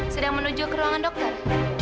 sedang menuju ke ruangan dokter